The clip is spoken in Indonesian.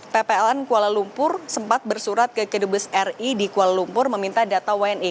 ppln kuala lumpur sempat bersurat ke kedubes ri di kuala lumpur meminta data wni